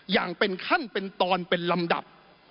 อย่างเป็นขั้นเป็นตอนเป็นลำดับ